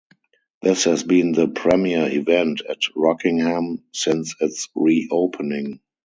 This has been the premier event at Rockingham since its reopening.